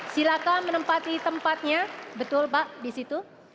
silakan menempati tempatnya betul pak di situ